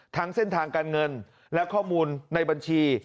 ทั้งเส้นทางการเงินและข้อมูลในบัญชี